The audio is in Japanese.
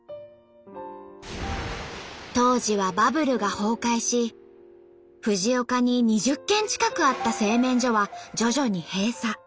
当時はバブルが崩壊し藤岡に２０軒近くあった製麺所は徐々に閉鎖。